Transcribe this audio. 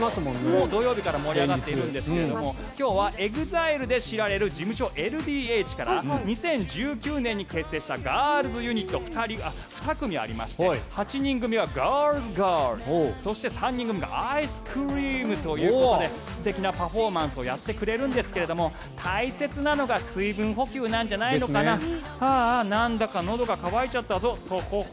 もう土曜日から盛り上がっているんですが今日はＥＸＩＬＥで知られる事務所ＬＤＨから２０１９年に結成したガールズユニット２組ありまして８人組はＧｉｒｌｓ２そして、３人組がｉＳｃｒｅａｍということで素敵なパフォーマンスをやってくれるんですが大切なのが水分補給なんじゃないのかなあーあ、なんだかのどが渇いちゃったぞとほほ。